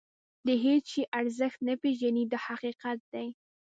د هېڅ شي ارزښت نه پېژني دا حقیقت دی.